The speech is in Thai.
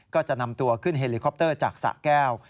ก็จะนำตัวขึ้นเฮลิคอปเตอร์จากสะแก้ว